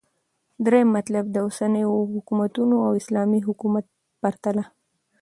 دريم مطلب - داوسنيو حكومتونو او اسلامې حكومت پرتله